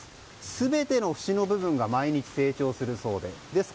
全ての節の部分が毎日成長するそうです。